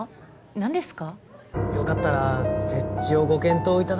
何ですか？